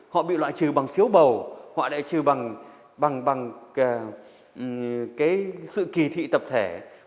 họ bị loại trừ bằng phiếu bầu họ bị loại trừ bằng sự kỳ thị tập thể